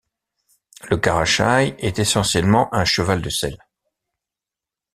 Le Karachai est essentiellement un cheval de selle.